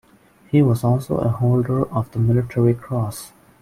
He was also a holder of the Military Cross.